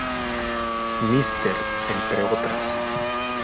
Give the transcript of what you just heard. Mister", entre otras.